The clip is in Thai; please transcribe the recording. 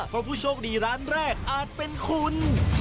เพราะผู้โชคดีร้านแรกอาจเป็นคุณ